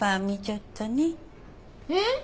えっ？